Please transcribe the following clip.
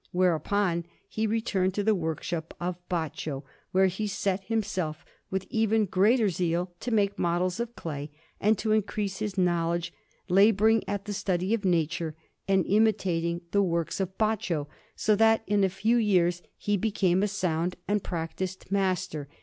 Whereupon he returned to the workshop of Baccio, where he set himself with even greater zeal to make models of clay and to increase his knowledge, labouring at the study of nature, and imitating the works of Baccio, so that in a few years he became a sound and practised master.